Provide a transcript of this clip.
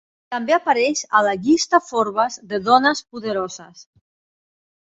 També apareix a la Llista Forbes de dones poderoses.